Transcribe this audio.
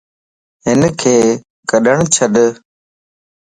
ھنک ڪڏڻ ڇڏ